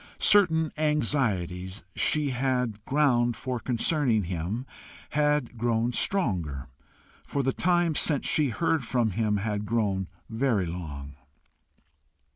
Certain anxieties she had ground for concerning him had grown stronger, for the time since she heard from him had grown very long.